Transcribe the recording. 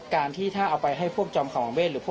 การที่ถ้าเอาไปให้พวกจอมครองมังเวส